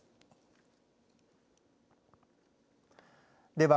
では